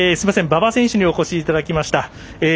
馬場選手にお越しいただきました。